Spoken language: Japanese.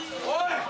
おい！